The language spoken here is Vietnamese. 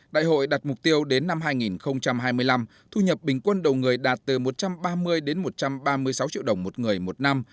đại hội đặt mục tiêu đến năm hai nghìn hai mươi năm thu nhập bình quân đầu người đạt từ một trăm ba mươi đến một trăm ba mươi sáu triệu đồng một người một năm